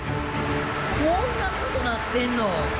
こんなことなってんの？